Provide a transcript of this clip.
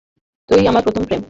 তুই আমার প্রথম প্রেম।